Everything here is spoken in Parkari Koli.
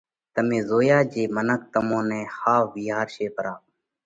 تمي زويا جي منک تمون نئہ ۿاوَ وِيهارشي پرا۔